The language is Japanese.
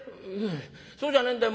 「そうじゃねえんだよ。